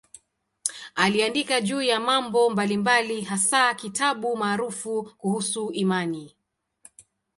Aliandika juu ya mambo mbalimbali, hasa kitabu maarufu kuhusu imani.